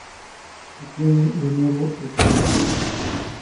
Obtiene, de nuevo, el primer puesto.